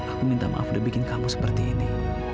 aku minta maaf udah bikin kamu seperti ini